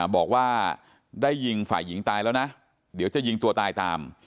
บอกว่าได้ยิงฝ่ายหญิงตายแล้วนะเดี๋ยวจะยิงตัวตายตาม